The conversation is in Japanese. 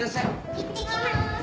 いってきまーす！